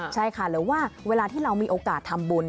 ใช่ค่ะหรือว่าเวลาที่เรามีโอกาสทำบุญ